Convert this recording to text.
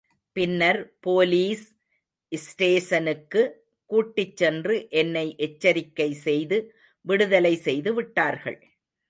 பின்னர் போலீஸ் ஸ்டேசனுக்கு கூட்டிச் சென்று என்னை எச்சரிக்கை செய்து விடுதலை செய்து விட்டார்கள்.